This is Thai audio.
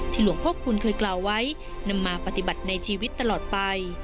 หลวงพ่อคุณเคยกล่าวไว้นำมาปฏิบัติในชีวิตตลอดไป